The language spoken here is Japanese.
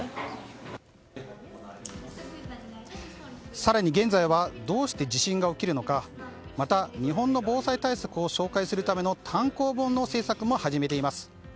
更に、現在はどうして地震が起きるのかまた、日本の防災対策を紹介するための単行本の制作も始めています。